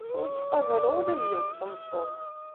Ur ttqabaleɣ ula d yiwet n tmeṭṭut.